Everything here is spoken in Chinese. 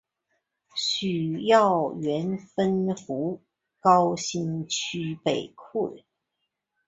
许耀元汾湖高新区北厍人。